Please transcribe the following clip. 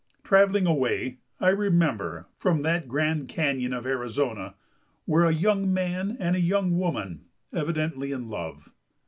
Travelling away, I remember, from that Grand Canyon of Arizona were a young man and a young woman, evidently in love.